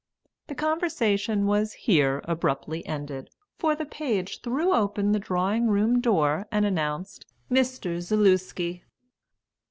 The conversation was here abruptly ended, for the page threw open the drawing room door and announced 'Mr. Zaluski.'